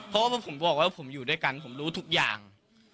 เพราะว่าผมบอกว่าผมอยู่ด้วยกันผมรู้ทุกอย่าง